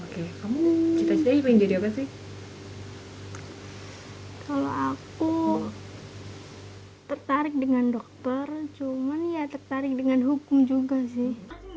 kalau aku tertarik dengan dokter cuman ya tertarik dengan hukum juga sih